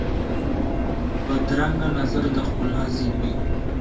بدرنګه نظر د ښکلا ضد وي